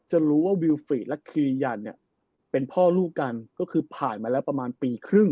รู้ว่าวิวฟรีดและคิริยันเนี่ยเป็นพ่อลูกกันก็คือผ่านมาแล้วประมาณปีครึ่ง